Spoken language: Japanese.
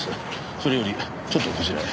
それよりちょっとこちらへ。